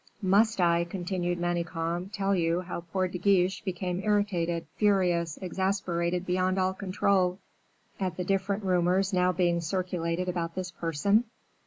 "Must I," continued Manicamp, "tell you how poor De Guiche became irritated, furious, exasperated beyond all control, at the different rumors now being circulated about this person?